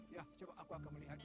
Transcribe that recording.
ya coba aku akan melihatnya